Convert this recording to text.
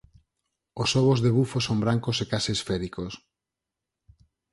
Os ovos de bufo son brancos e case esféricos.